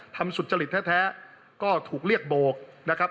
สุจริตแท้ก็ถูกเรียกโบกนะครับ